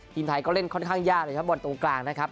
ทีมไทยก็เล่นค่อนข้างยากเลยครับบอลตรงกลางนะครับ